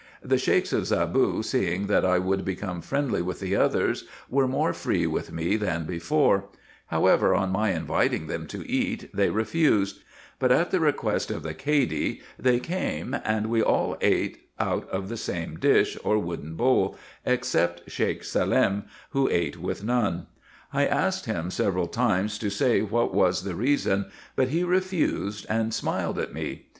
The Sheiks of Zaboo seeing that I would become friendly with the others, were more free with me than before ; however, on my inviting them to eat, they refused, but at the request of the Cady they came, and we all ate out of the same dish, or wooden bowl, except Sheik Salem, avIio IN EGYPT, NUBIA, &c. 415 ate with none. I asked him several times to say what was the reason, but he refused, and smiled at me.